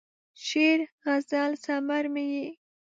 شعر، غزل ثمر مې یې